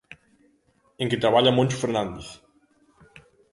En que traballa Moncho Fernández.